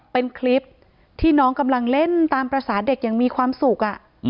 เป็นคลิปที่น้องกำลังเล่นตามภาษาเด็กยังมีความสุข